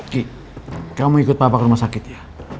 ki kamu ikut bapak ke rumah sakit ya